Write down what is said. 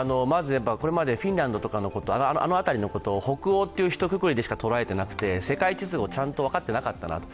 これまでフィンランドとかあの辺りのこと北欧というひとくくりでしか捉えてなくて、世界地図をちゃんと分かってなかったなと。